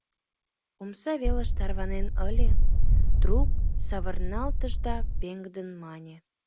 Омса велыш тарванен ыле, трук савырналтыш да пеҥгыдын мане: